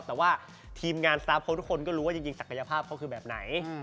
แต่ว่าทีมงานสตาร์ฟโค้ดทุกคนก็รู้ว่าจริงศักยภาพเขาคือแบบไหน